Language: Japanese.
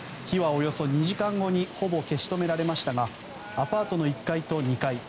火はおよそ２時間後にほぼ消し止められましたがアパートの１階と２階